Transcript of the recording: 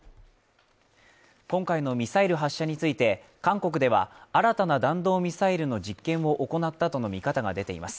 今回のミサイル発射について、韓国では新たな弾道ミサイルの実験を行ったとの見方が出ています。